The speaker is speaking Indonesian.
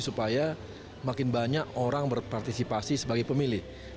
supaya makin banyak orang berpartisipasi sebagai pemilih